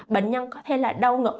bệnh nhân có thể là đau ngực